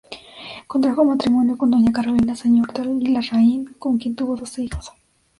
Contrajo matrimonio con doña Carolina Zañartu y Larraín, con quien tuvo doce hijos.